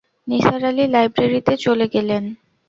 নিসার আলি লাইব্রেরিতে চলে গেলেন।